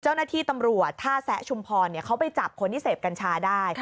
เจ้าหน้าที่ตำรวจท่าแซะชุมพรเขาไปจับคนที่เสพกัญชาได้